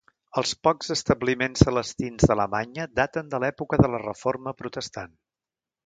Els pocs establiments celestins d'Alemanya daten de l'època de la reforma protestant.